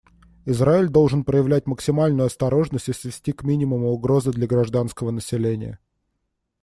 Израиль должен проявлять максимальную осторожность и свести к минимуму угрозы для гражданского населения.